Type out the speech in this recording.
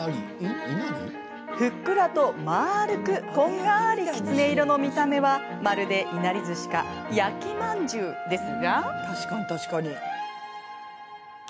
ふっくらと丸くこんがりきつね色の見た目はまるで、いなりずしか焼きまんじゅうですが。